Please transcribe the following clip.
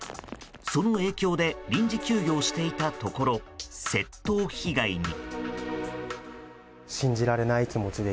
その影響で臨時休業していたところ窃盗被害に。